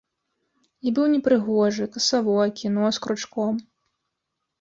І быў непрыгожы, касавокі, нос кручком.